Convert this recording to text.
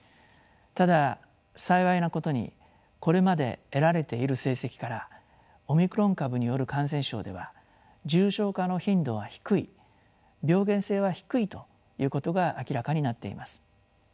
ただ幸いなことにこれまで得られている成績からオミクロン株による感染症では重症化の頻度は低い病原性は低いということが明らかになっています。